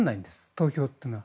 投票というのは。